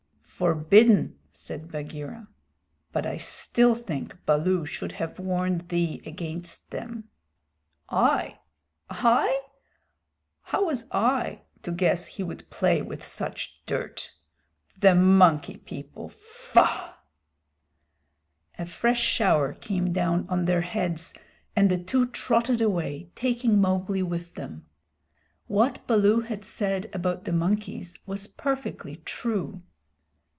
"Forbidden," said Bagheera, "but I still think Baloo should have warned thee against them." "I I? How was I to guess he would play with such dirt. The Monkey People! Faugh!" A fresh shower came down on their heads and the two trotted away, taking Mowgli with them. What Baloo had said about the monkeys was perfectly true.